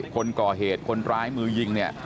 คนก่อเหตุคนร้ายมือยิง